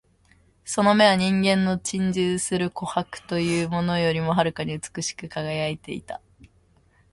その眼は人間の珍重する琥珀というものよりも遥かに美しく輝いていた